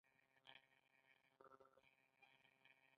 آیا دا قانون د ټولنې نظم نه ساتي؟